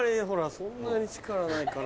そんなに力ないから。